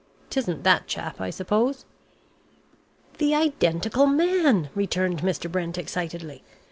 'Tisn't that chap I suppose?" "The identical man!" returned Mr. Brent, excitedly.